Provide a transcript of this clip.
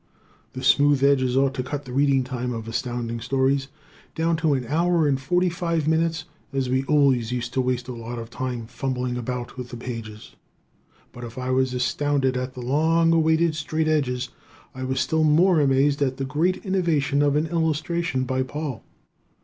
The smooth edges ought to cut the reading time of Astounding Stories down to an hour and forty five minutes as we always used to waste a lot of time fumbling about with the pages. But if I was astounded at the long awaited straight edges, I was still more amazed at the great innovation of an illustration by Paul!